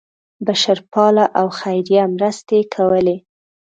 بشرپاله او خیریه مرستې کولې.